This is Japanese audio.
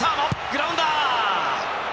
グラウンダー！